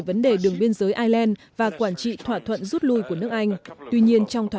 vấn đề đường biên giới ireland và quản trị thỏa thuận rút lui của nước anh tuy nhiên trong thỏa